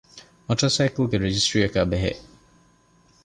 މޮޓޯސައިކަލްގެ ރަޖިސްޓަރީއަކާބެހޭ